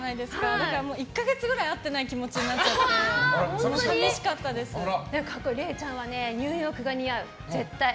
だから１か月くらい会ってない気持ちになっちゃってれいちゃんはニューヨークが似合う、絶対。